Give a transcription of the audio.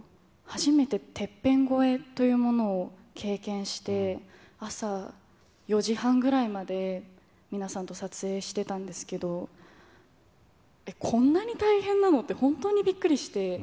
初めててっぺん超えというものを経験して、朝４時半ぐらいまで皆さんと撮影してたんですけど、こんなに大変なのって、本当にびっくりして。